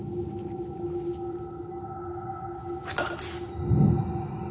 ２つ。